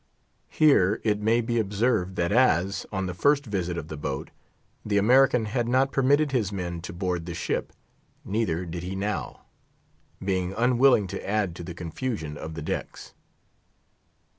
Here it may be observed that as, on the first visit of the boat, the American had not permitted his men to board the ship, neither did he now; being unwilling to add to the confusion of the decks.